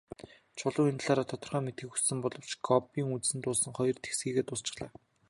Чулуун энэ талаар тодорхой мэдэхийг хүссэн боловч Гомбын үзсэн дуулсан хоёр тэгсхийгээд дуусчихлаа.